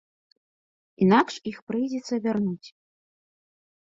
Інакш іх прыйдзецца вярнуць.